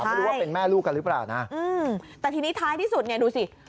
ไม่รู้ว่าเป็นแม่ลูกกันหรือเปล่านะแต่ทีนี้ท้ายที่สุดเนี่ยดูสิ